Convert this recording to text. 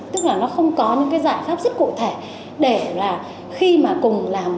tức là nó không có những cái giải pháp rất cụ thể để là khi mà cùng làm